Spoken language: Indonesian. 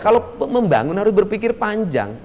kalau membangun harus berpikir panjang